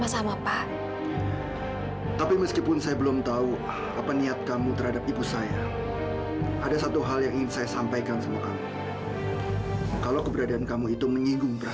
sampai jumpa di video selanjutnya